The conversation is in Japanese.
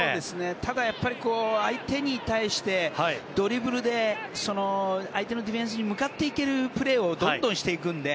ただ、相手に対してドリブルで相手のディフェンスに向かっていけるプレーをどんどんしていくので。